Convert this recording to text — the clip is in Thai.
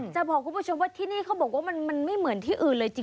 จะบอกคุณผู้ชมว่าที่นี่เขาบอกว่ามันไม่เหมือนที่อื่นเลยจริง